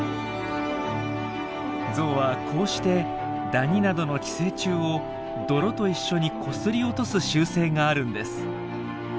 ゾウはこうしてダニなどの寄生虫を泥と一緒にこすり落とす習性があるんです。